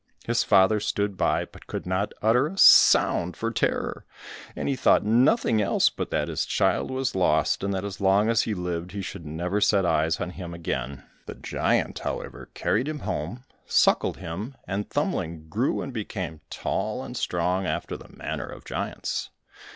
His father stood by, but could not utter a sound for terror, and he thought nothing else but that his child was lost, and that as long as he lived he should never set eyes on him again. The giant, however, carried him home, suckled him, and Thumbling grew and became tall and strong after the manner of giants.